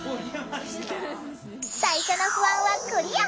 最初の不安はクリア！